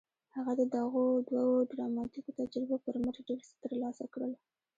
هغه د دغو دوو ډراماتيکو تجربو پر مټ ډېر څه ترلاسه کړل.